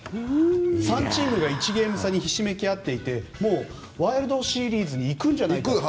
３チームが１ゲーム差にひしめき合っていてワイルドシリーズにいくんじゃないかと。